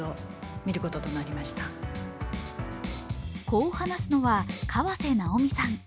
こう話すのは、河瀬直美さん。